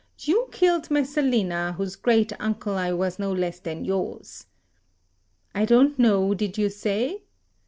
You killed Messalina, whose great uncle I was no less than yours. 'I don't know,' did you say?